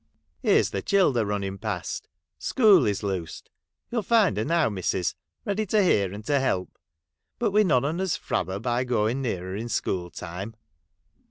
Here's the childer running past ! School is loosed. You '11 find her now, missus, ready to hear and to help. But we none on us frab her by going near her in school time.'